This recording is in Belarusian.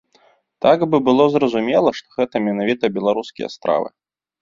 Так бы было зразумела, што гэта менавіта беларускія стравы.